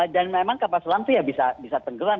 dan memang kapal selam itu ya bisa tenggelam